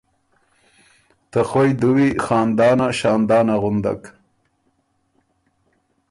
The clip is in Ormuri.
”ته خوئ دُوی خاندانه شاندانه غُندک“